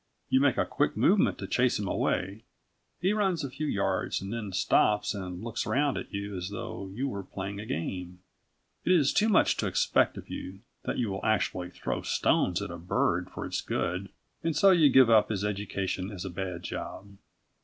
You make a quick movement to chase him away: he runs a few yards and then stops and looks round at you as though you were playing a game. It is too much to expect of you that you will actually throw stones at a bird for its good, and so you give up his education as a bad job.